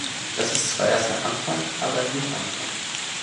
Das ist zwar erst ein Anfang, aber ein guter Anfang.